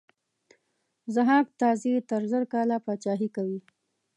ضحاک تازي تر زر کاله پاچهي کوي.